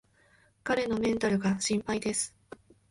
彼のメンタルが心配です